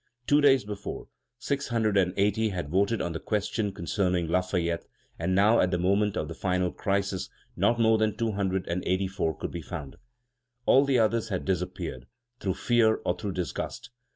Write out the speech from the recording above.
Two days before, 680 had voted on the question concerning Lafayette, and now, at the moment of the final crisis, not more than 284 could be found! All the others had disappeared, through fear or through disgust.